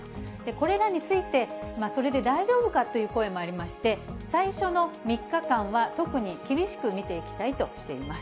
これらについて、それで大丈夫かという声もありまして、最初の３日間は、特に厳しく見ていきたいとしています。